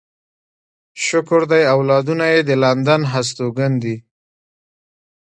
شکر دی اولادونه يې د لندن هستوګن دي.